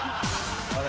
あれ？